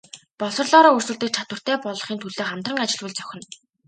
Боловсролоороо өрсөлдөх чадвартай болгохын төлөө хамтран ажиллавал зохино.